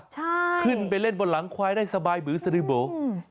ใช่คุณไปเล่นบนหลังควายได้สบายบื้อซะหรือเปล่า